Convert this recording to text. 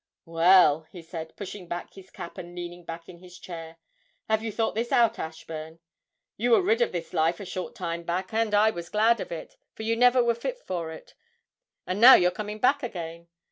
'Well,' he said, pushing back his cap and leaning back in his chair, 'have you thought this out, Ashburn? You were rid of this life a short time back, and I was glad of it, for you never were fit for it. And now you're coming back again!